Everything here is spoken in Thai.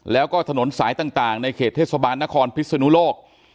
และทนสายต่างในขตเทศบาลนครพิษณุโลก